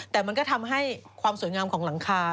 แต่มันก็ทำให้ความสวยงามของหลังคา